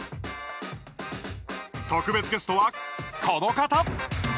特別ゲストは、この方。